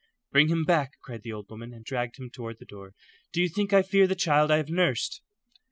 "Bring him back," cried the old woman, and dragged him toward the door. "Do you think I fear the child I have nursed?"